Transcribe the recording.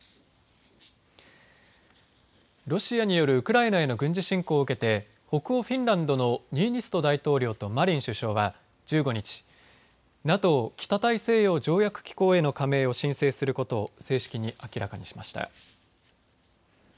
ロシアによるウクライナへの軍事侵攻を受けて北欧フィンランドのニーニスト大統領とマリン首相は１５日、ＮＡＴＯ＝北大西洋条約機構への加盟を申請することを正式に明らかにしました。